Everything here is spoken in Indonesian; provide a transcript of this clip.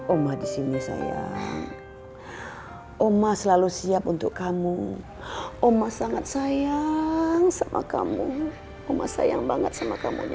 oma di sini sayang oma selalu siap untuk kamu oma sangat sayang sama kamu